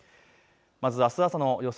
まず、あす朝の予想